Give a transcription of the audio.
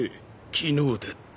昨日だって。